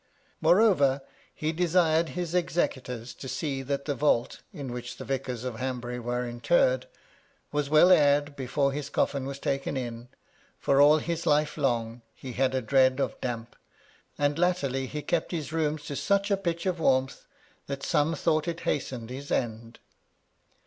Moreover, he desired his executors to see that the vault, in which the vicars of Hanbury were interred, was well aired, before his coffin was taken in ; for, all his life long, he had had a dread of damp, and latterly he kept his rooms to such a pitch of warmth that some thought it hastened his end.